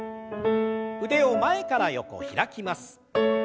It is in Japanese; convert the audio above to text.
腕を前から横開きます。